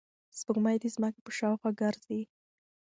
سپوږمۍ د ځمکې په شاوخوا ګرځي.